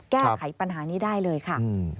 แก้ไขปัญหานี้ได้เลยค่ะ